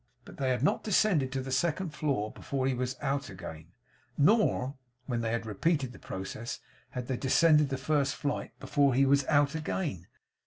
But they had not descended to the second floor before he was out again; nor, when they had repeated the process, had they descended the first flight, before he was out again.